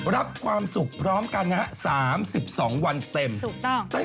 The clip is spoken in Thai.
แต่พวกเราไม่มีสิทธิ์ได้